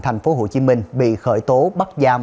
tp hcm bị khởi tố bắt giam